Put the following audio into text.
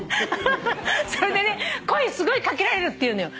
それでね声すごい掛けられるっていうのよ。